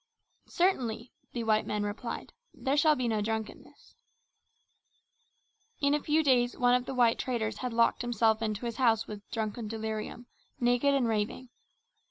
"Certainly," the white men replied, "there shall be no drunkenness." In a few days one of the white traders had locked himself into his house in drunken delirium, naked and raving.